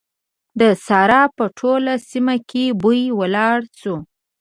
د سارا په ټوله سيمه کې بوی ولاړ شو.